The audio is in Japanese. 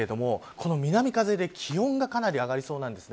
この南風で気温がかなり上がりそうです。